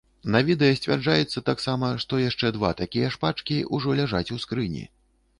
На відэа сцвярджаецца таксама, што яшчэ два такія ж пачкі ўжо ляжаць у скрыні.